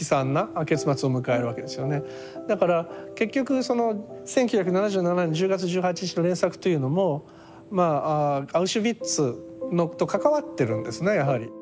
だから結局その「１９７７年１０月１８日」の連作というのもまあアウシュビッツと関わってるんですねやはり。